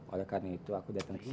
oleh karena itu aku datang ke sini